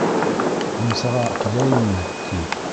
Мунсаға киләйемме, ти.